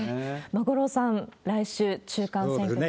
五郎さん、来週、中間選挙ですね。